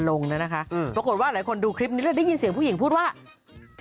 แล้วตะลงเขาสูงกว่าเธอ